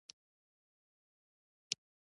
هیڅ زه یوازې